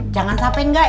jangan sampai enggak ya